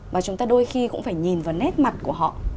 và chúng ta đôi khi cũng phải nhìn vào nét mặt của họ